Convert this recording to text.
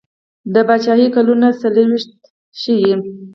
د پاچهي کلونه څلیرویشت ښيي.